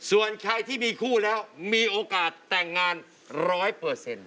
ส่วนใครที่มีคู่แล้วมีโอกาสแต่งงานร้อยเปอร์เซ็นต์